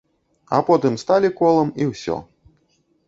А потым сталі колам і ўсё.